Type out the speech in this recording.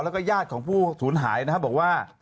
แล้วก็ญาติของผู้สูญหายนะครับบอกว่า